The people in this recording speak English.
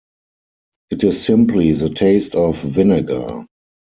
It is simply the taste of vinegar.